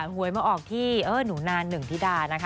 หวยมาออกที่หนูนานหนึ่งธิดานะคะ